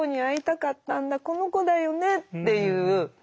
この子だよね」っていう。